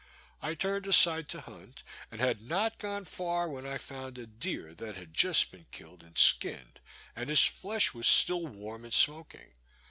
I turned aside to hunt, and had not gone far when I found a deer that had just been killed and skinned, and his flesh was still warm and smoking.